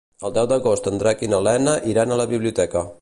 El deu d'agost en Drac i na Lena iran a la biblioteca.